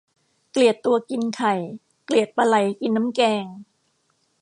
เกลียดตัวกินไข่ เกลียดปลาไหลกินน้ำแกง